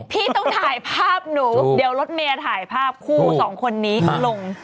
พี่ต้องถ่ายภาพหนูเดี๋ยวรถเมย์ถ่ายภาพคู่สองคนนี้ลง